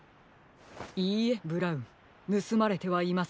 いいえブラウンぬすまれてはいませんよ。